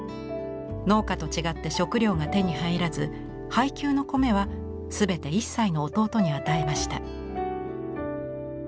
農家と違って食糧が手に入らず配給の米は全て１歳の弟に与えました。